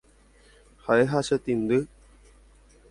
Ha'e ha chetĩndy.